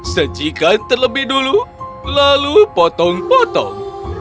sajikan terlebih dulu lalu potong potong